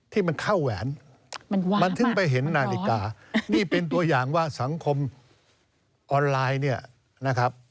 ที่มันเข้าแหวนมันถึงไปเห็นนาฬิกานี่เป็นตัวอย่างว่าสังคมออนไลน์เนี่ยนะครับ